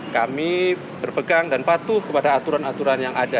kami berpegang dan patuh kepada aturan aturan yang ada